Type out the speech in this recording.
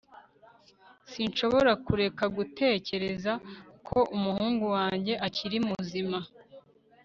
Sinshobora kureka gutekereza ko umuhungu wanjye akiri muzima